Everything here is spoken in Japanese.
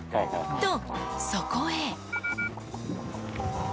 ［とそこへ］